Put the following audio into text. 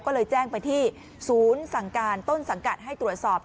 ก็เลยแจ้งไปที่ศูนย์สั่งการต้นสังกัดให้ตรวจสอบ